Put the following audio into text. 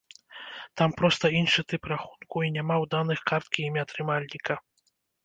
Там проста іншы тып рахунку і няма ў даных карткі імя трымальніка.